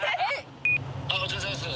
お疲れさまです。